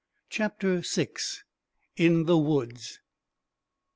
Chapter 6: In the Woods.